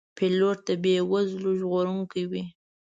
پیلوټ د بې وزلو ژغورونکی وي.